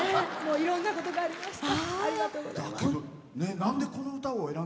いろんなことがありました。